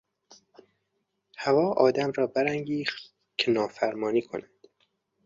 حوا آدم را برانگیخت که نافرمانی کند.